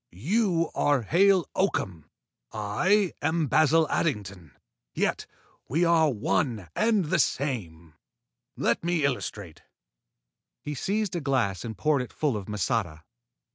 You are Hale Oakham. I am Basil Addington, yet we are one and the same. Let me illustrate." He seized a glass and poured it full of masata.